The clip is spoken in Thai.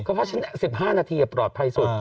เพราะว่า๑๕นาทีจะปลอดภัยสุด